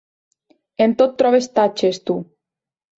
En tot trobes tatxes, tu.